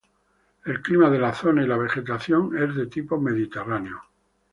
El clima de la zona y la vegetación es de tipo mediterráneo.